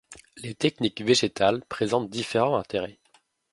Les techniques végétales présentent différents intérêts.